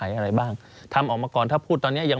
สำหรับสนุนโดยหวานได้ทุกที่ที่มีพาเลส